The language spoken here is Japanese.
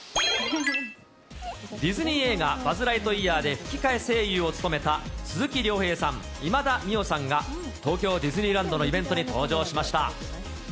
ディズニー映画、バズ・ライトイヤーで吹き替え声優を務めた鈴木亮平さん、今田美桜さんが東京ディズニーランドのイベントに登場しました。